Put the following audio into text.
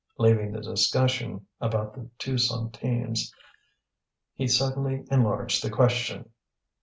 Leaving the discussion about the two centimes, he suddenly enlarged the question.